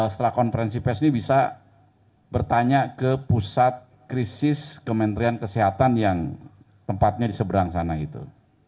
setelah konferensi pes ini bisa bertanya ke pusat krisis kementerian kesehatan yang tempatnya di seberang sana itu